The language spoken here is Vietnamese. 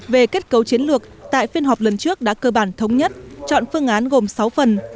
về kết cấu chiến lược tại phiên họp lần trước đã cơ bản thống nhất chọn phương án gồm sáu phần